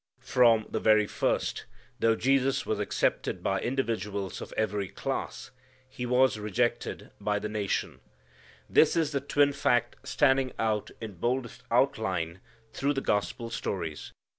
From the very first, though Jesus was accepted by individuals of every class, He was rejected by the nation. This is the twin fact standing out in boldest outline through the Gospel stories.